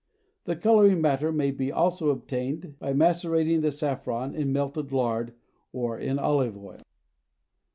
The coloring matter may also be obtained by macerating the saffron in melted lard or in olive oil.